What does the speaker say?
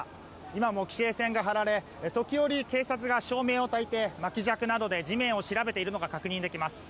今も規制線が張られ時折、警察が照明をたいて、巻き尺などで足元を調べているのが確認できます。